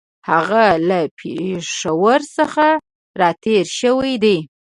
هغه له پېښور څخه را تېر شوی دی.